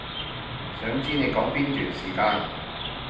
想知你講邊段時間